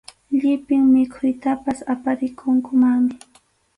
Llipin mikhuytapas aparikunkumanmi.